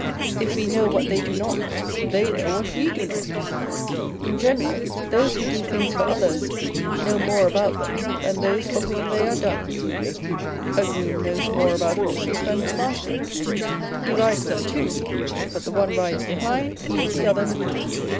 If we know what they do not, they know what we do not. In general, those who do things for others, know more about them than those for whom they are done. A groom knows more about horses than his master. He rides them too : but the one rides behind, the other before